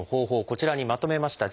こちらにまとめました。